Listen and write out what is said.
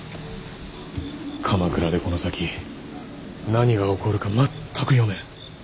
鎌倉でこの先何が起こるか全く読めん。